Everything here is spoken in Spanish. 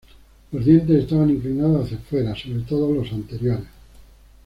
Los dientes estaban inclinados hacia fuera; sobre todo, los anteriores.